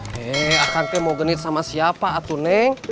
heee akang te mau genit sama siapa atu nenk